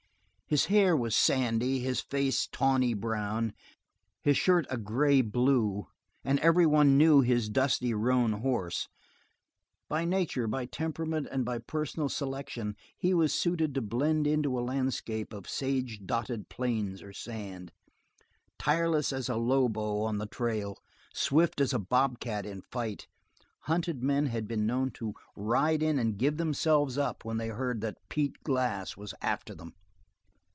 His hair was sandy, his face tawny brown, his shirt a gray blue, and every one knew his dusty roan horse; by nature, by temperament and by personal selection he was suited to blend into a landscape of sage dotted plains or sand. Tireless as a lobo on the trail, swift as a bobcat in fight, hunted men had been known to ride in and give themselves up when they heard that Pete Glass was after them.